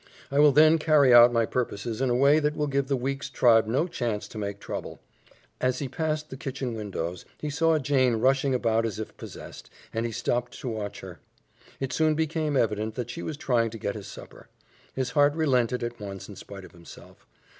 "I will then carry out my purposes in a way that will give the Weeks tribe no chance to make trouble." As he passed the kitchen windows he saw Jane rushing about as if possessed, and he stopped to watch her. It soon became evident that she was trying to get his supper. His heart relented at once in spite of himself.